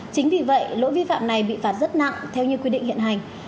chính vì vậy lỗi vi phạm này bị phạt rất nặng theo như quy định hiện hành